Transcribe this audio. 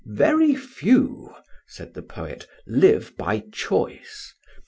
"Very few," said the poet, "live by choice.